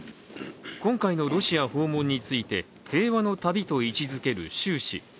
今回のロシア訪問について平和の旅と位置づける習氏。